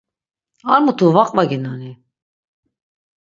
Ar mutu va qvaginoni?